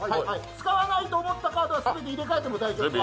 使わないと思ったカードは全て入れ替えても大丈夫です。